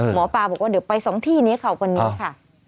หมอปลาบอกว่าเดี๋ยวไปสองที่นี้ค่ะวันนี้ค่ะ